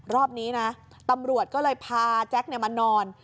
รอบนี้นะตำรวจก็เลยพาแจ็คมานอน